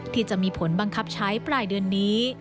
ที่จะมีผลบังคับใช้ปลายเดือนนี้